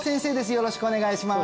よろしくお願いします